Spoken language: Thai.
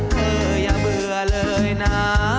อย่าเบื่อเลยนะ